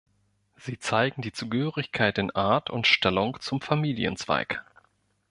Sie zeigen die Zugehörigkeit in Art und Stellung zum Familienzweig.